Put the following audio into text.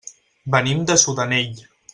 Venim de Sudanell.